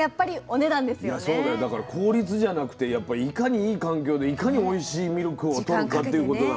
だから効率じゃなくてやっぱりいかにいい環境でいかにおいしいミルクをとるかっていうことだから。